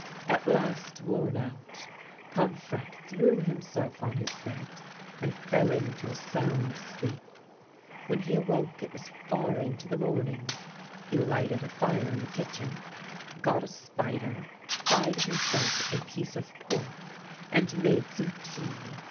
At last, worn out, Pomfrette threw himself on his bed, and fell into a sound sleep. When he awoke it was far into the morning. He lighted a fire in the kitchen, got a " spider," fried himself a piece of pork, and made some tea.